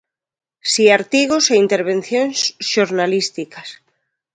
Si artigos e intervencións xornalísticas.